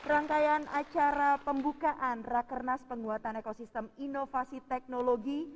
rangkaian acara pembukaan rakernas penguatan ekosistem inovasi teknologi